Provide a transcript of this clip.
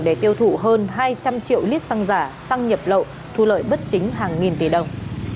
để tiêu thụ hơn hai trăm linh triệu lít xăng giả xăng nhập lậu thu lợi bất chính hàng nghìn tỷ đồng